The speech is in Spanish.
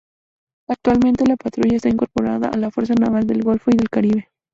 Actualmente la patrulla está incorporada a la Fuerza Naval del Golfo y del Caribe.